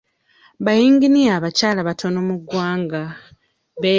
Bayinginiya abakyala batono mu ggwanga.